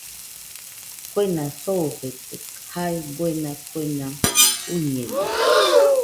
Kuena soofete jae buena kuena uiñede